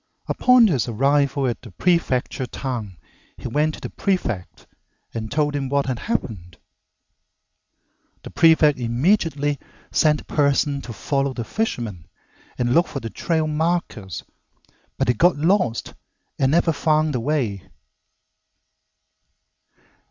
Upon his arrival at the prefecture town he went to the prefect and told him what had happened. The prefect immediately sent a person to follow the fisherman and look for the trail markers, but they got lost and never found the way.